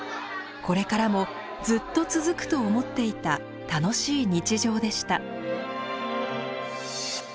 これからもずっと続くと思っていた楽しい日常でした。